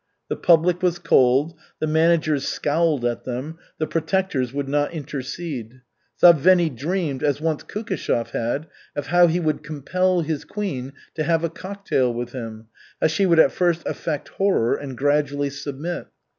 The public was cold, the managers scowled at them, the "protectors" would not intercede. Zabvenny dreamed, as once Kukishev had, of how he would "compel" his queen to have a cocktail with him, how she would at first affect horror, and gradually submit.